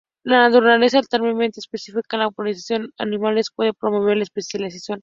La naturaleza altamente específica de la polinización por animales puede promover la especiación.